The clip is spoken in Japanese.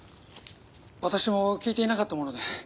私も聞いていなかったもので。